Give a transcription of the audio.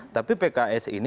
tapi pks ini selalu diperhatikan